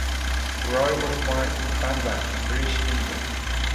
Roy was born in Pabna in British India.